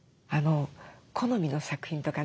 好みの作品とかね